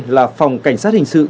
là phòng cảnh sát hình sự